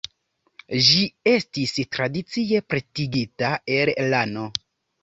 Ĝi estis tradicie pretigita el lano.